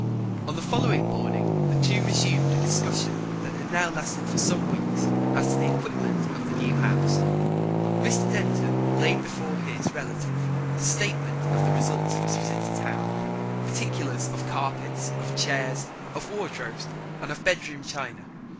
On the following morning the two resumed a discussion that had now lasted for some weeks as to the equipment of the new house. Mr. Denton laid before his relative a statement of the results of his visit to town particulars of carpets, of chairs, of wardrobes, and of bedroom china.